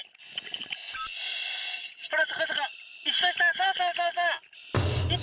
そうそうそうそう。